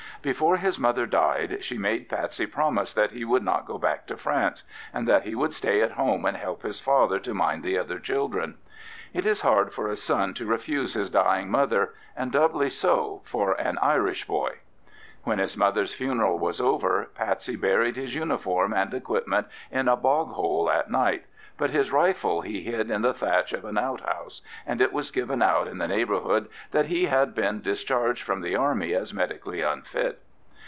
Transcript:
Before his mother died she made Patsey promise that he would not go back to France, and that he would stay at home and help his father to mind the other children. It is hard for a son to refuse his dying mother, and doubly so for an Irish boy. When his mother's funeral was over, Patsey buried his uniform and equipment in a bog hole at night; but his rifle he hid in the thatch of an outhouse, and it was given out in the neighbourhood that he had been discharged from the Army as medically unfit.